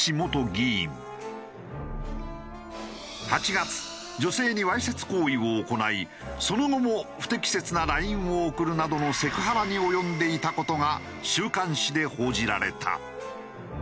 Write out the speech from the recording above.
８月女性にわいせつ行為を行いその後も不適切なＬＩＮＥを送るなどのセクハラに及んでいた事が週刊誌で報じられた。